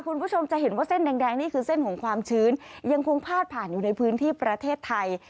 คุณผู้ชมจะเห็นว่าเส้นแดงนี่คือเส้นของความชื้นยังคงพาดผ่านอยู่ในพื้นที่ประเทศไทย